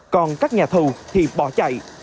còn các nhà thù thì bỏ chạy